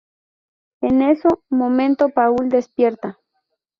En eso momento Paul despierta.